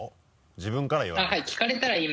自分からは言わない。